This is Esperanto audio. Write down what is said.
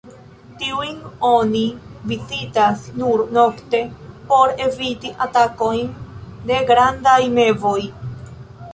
Tiujn oni vizitas nur nokte por eviti atakojn de grandaj mevoj.